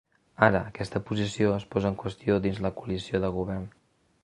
Ara aquesta posició es posa en qüestió dins la coalició de govern.